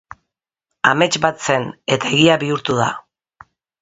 Amets bat zen, eta egia bihurtu da.